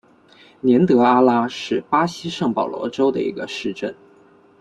年德阿拉是巴西圣保罗州的一个市镇。